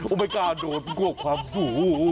โอ้ไม่กล้าโดนกลวกความสูง